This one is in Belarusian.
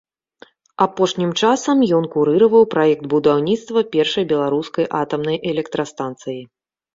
Апошнім часам ён курыраваў праект будаўніцтва першай беларускай атамнай электрастанцыі.